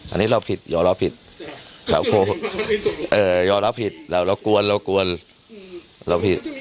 อันนี้เราผิดหย่อเราผิดหย่อเราผิดแล้วเรากวนเรากวนเราผิด